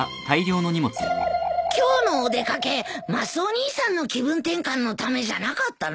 今日のお出掛けマスオ兄さんの気分転換のためじゃなかったの？